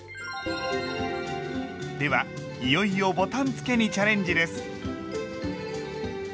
ではいよいよボタンつけにチャレンジです。